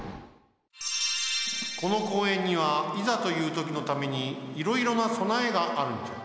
この公園にはいざというときのためにいろいろなそなえがあるんじゃ。